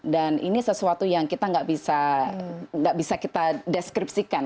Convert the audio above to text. dan ini sesuatu yang kita tidak bisa deskripsikan